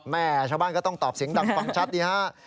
แม่ชาวบ้านก็ต้องตอบเสียงดังฟังชัดดีฮะ